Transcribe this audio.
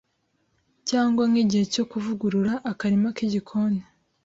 cyangwa nk’igihe cyo kuvugurura akarima k’igikoni